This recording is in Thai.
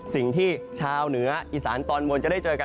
สิ่งที่ชาวเหนืออีสานตอนบนจะได้เจอกัน